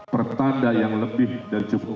pertada yang lebih dan cukup